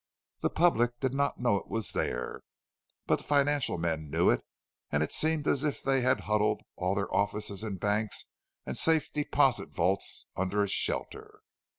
The public did not know it was there, but the financial men knew it, and it seemed as if they had huddled all their offices and banks and safe deposit vaults under its shelter.